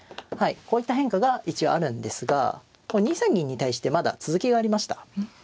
こういった変化が一応あるんですが２三銀に対してまだ続きがありました。